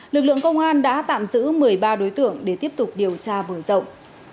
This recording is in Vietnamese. lực lượng công an đã tạm giữ một mươi ba đối tượng để tiếp tục điều tra mở rộng